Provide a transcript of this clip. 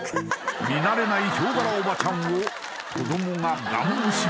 見慣れない豹柄おばちゃんを子どもがガン無視